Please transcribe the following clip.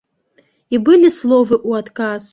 І былі словы ў адказ.